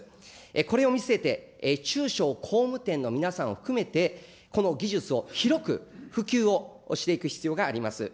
これを見据えて、中小工務店の皆さんを含めて、この技術を広く普及をしていく必要があります。